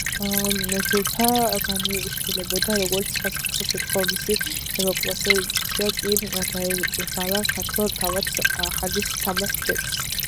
ჯულფა განიხილებოდა, როგორც განსაკუთრებული შემთხვევა; მისი ევაკუაცია კი დაევალა ქართველ თავადს, ჰანის თამაზ ბეკს.